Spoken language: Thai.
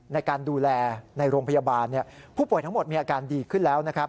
ในการดูแลในโรงพยาบาลผู้ป่วยทั้งหมดมีอาการดีขึ้นแล้วนะครับ